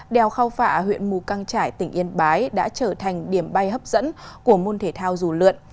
đèo khao phạ huyện mù căng trải tỉnh yên bái đã trở thành điểm bay hấp dẫn của môn thể thao dù lượn